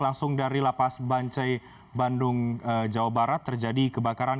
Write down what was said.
langsung dari lapas bancai bandung jawa barat terjadi kebakaran